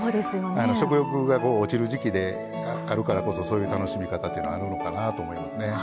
食欲が落ちる時季であるからこそそういう楽しみ方というのはあるのかなと思いますね。